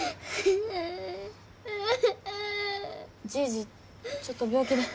じいじちょっと病気で。